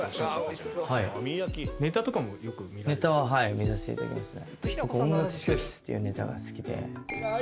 ネタは見させていただきますね。